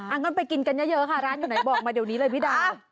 งั้นไปกินกันเยอะค่ะร้านอยู่ไหนบอกมาเดี๋ยวนี้เลยพี่ดา